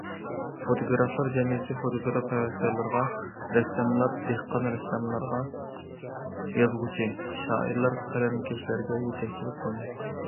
فوتوگرافلار جەمئىيىتى فوتوگراف ھەۋەسكارلىرىغا، رەسساملار دېھقان رەسساملارغا، يازغۇچى، شائىرلار قەلەمكەشلەرگە يېتەكچىلىك قىلدى.